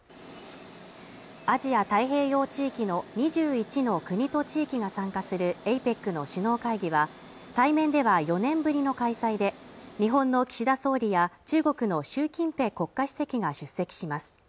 アジア太平洋地域の２１の国と地域が参加するＡＰＥＣの首脳会議は対面では４年ぶりの開催で日本の岸田総理や中国の習近平国家主席が出席します